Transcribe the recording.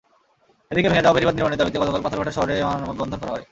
এদিকে ভেঙে যাওয়া বেড়িবাঁধ নির্মাণের দাবিতে গতকাল পাথরঘাটা শহরে মানববন্ধন করা হয়।